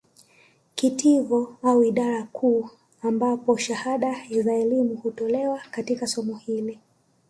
Kitivo au idara kuu ambapo shahada za kielimu hutolewa katika somo hili